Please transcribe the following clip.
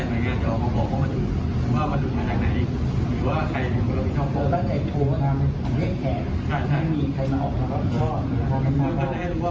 ก็ไม่ว่ามันหลุดแล้ว